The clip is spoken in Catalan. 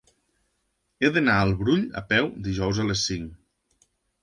He d'anar al Brull a peu dijous a les cinc.